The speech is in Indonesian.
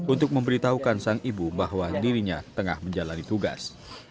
untuk memberitahukan sang ibu bahwa dirinya tengah menjalani tugas